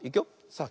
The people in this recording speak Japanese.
さあ